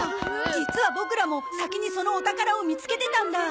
実はボクらも先にそのお宝を見つけてたんだ！